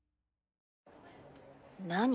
何？